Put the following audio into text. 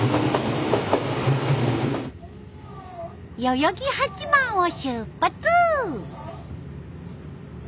代々木八幡を出発！